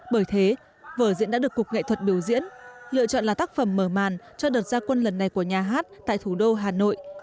bởi thế vở diễn đã được cục nghệ thuật biểu diễn lựa chọn là tác phẩm mở màn cho đợt gia quân lần này của nhà hát tại thủ đô hà nội